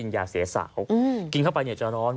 มันก็โดนเลยเหรอ